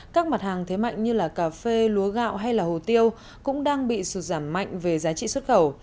các mặt hàng thế mạnh như cà phê lúa gạo hay hồ tiêu cũng đang bị sụt giảm mạnh về giá trị xuất khẩu